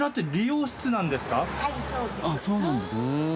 あっそうなんだ。